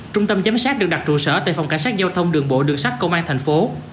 trung tâm giám sát được đặt trụ sở tại phòng cảnh sát giao thông đường bộ đường sát công an thành phố